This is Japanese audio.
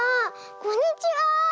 こんにちは。